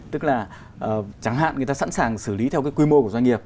tức là chẳng hạn người ta sẵn sàng xử lý theo cái quy mô của doanh nghiệp